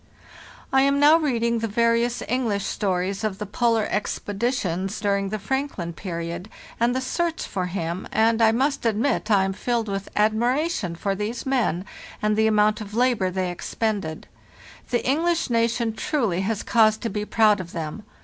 "Tam now reading the various English stories of WE PREPARE POR LTHE SLEDGE EXPEDITION 23 the polar expeditions during the Franklin period, and the search for him, and I must admit I am filled with admiration for these men and the amount of labor they expended. The English nation, truly, has cause to be proud of them.